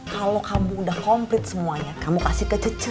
kalau kamu udah komplit semuanya kamu kasih ke cucu